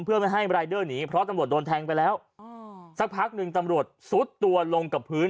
เพื่อไม่ให้รายเดอร์หนีเพราะตำรวจโดนแทงไปแล้วสักพักหนึ่งตำรวจซุดตัวลงกับพื้น